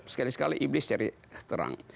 sekali sekali iblis cari terang